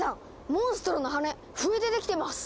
モンストロの羽笛でできてます！